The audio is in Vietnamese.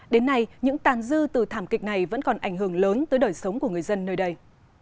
đến nay những tàn dư từ thảm kịch này vẫn còn ảnh hưởng lớn tới đời sống của người dân nơi đây